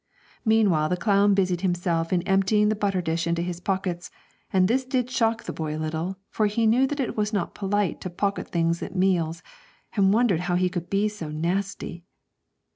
Meanwhile, the clown busied himself in emptying the butter dish into his pockets, and this did shock the boy a little, for he knew it was not polite to pocket things at meals, and wondered how he could be so nasty.